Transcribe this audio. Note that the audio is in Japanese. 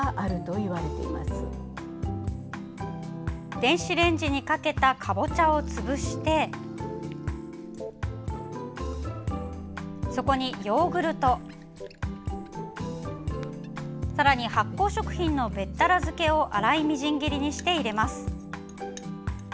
電子レンジにかけたかぼちゃを潰してそこにヨーグルトさらに発酵食品のべったら漬けを粗いみじん切りにして入れます。